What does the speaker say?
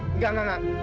enggak enggak enggak